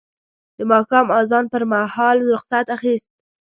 د ماښام اذان پر مهال رخصت اخیست.